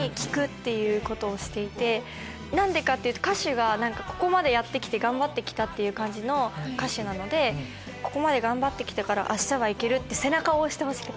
何でかっていうと歌詞が「ここまでやって来て頑張って来た」っていう感じの歌詞なのでここまで頑張って来たから明日は行けるって背中を押してほしくて。